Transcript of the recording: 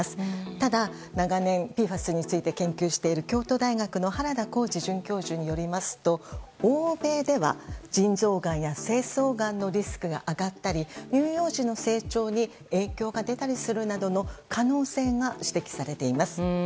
ただ、長年ＰＦＡＳについて研究している京都大学の原田浩二准教授によりますと欧米では腎臓がんや精巣がんのリスクが上がったり乳幼児の成長に影響が出たりするなどの可能性が指摘されています。